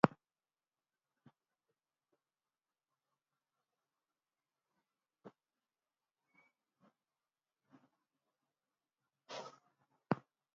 یہ تہ ہِیکاۤ پا مرنت یہ اِیں خرچہ کھِیکی کھم